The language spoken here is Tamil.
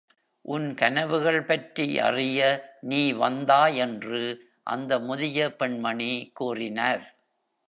"உன் கனவுகள் பற்றி அறிய நீ வந்தாய்" என்று அந்த முதிய பெண்மணி கூறினார்.